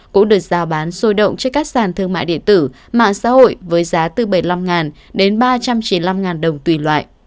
cũng được giao bán sôi động trên các sàn thương mại điện tử mạng xã hội với giá từ bảy mươi năm đến ba trăm chín mươi năm đồng tùy loại